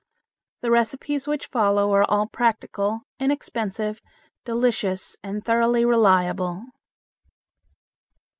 The recipes which follow are all practical, inexpensive, delicious, and thoroughly reliable.